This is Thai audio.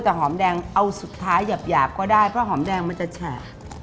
แต่หอมแดงเอาสุดท้ายหยาบก็ได้เพราะหอมแดงมันจะฉาก